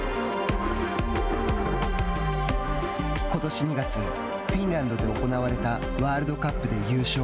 ことし２月フィンランドで行われたワールドカップで優勝。